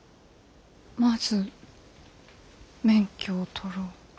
まず免許を取ろう。